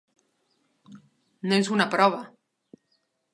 No és una prova!